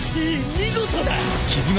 見事だ！